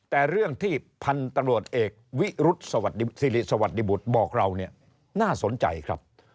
แต่เรื่องที่พันธุ์ตำรวจเอกวิรุธสิริสวัสดิบุตรบอกเราเนี่ยน่าสนใจครับ